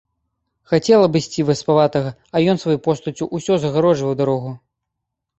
Хацела абысці васпаватага, а ён сваёю постаццю ўсё загароджваў дарогу.